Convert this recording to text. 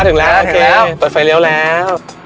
ถึงแล้วพัดไฟเลี้ยวแล้ว